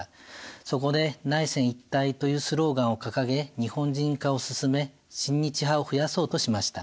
そこで内鮮一体というスローガンを掲げ日本人化を進め親日派を増やそうとしました。